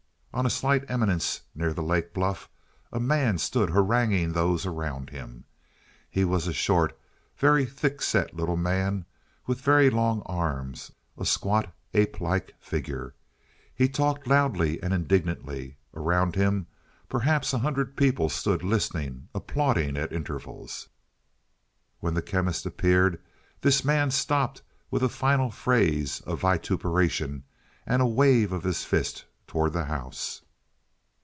On a slight eminence near the lake bluff, a man stood haranguing those around him. He was a short, very thickset little man, with very long arms a squat, apelike figure. He talked loudly and indignantly; around him perhaps a hundred people stood listening, applauding at intervals. When the Chemist appeared this man stopped with a final phrase of vituperation and a wave of his fist towards the house.